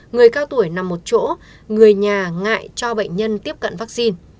người cao tuổi nằm một chỗ người nhà ngại cho bệnh nhân tiếp cận vaccine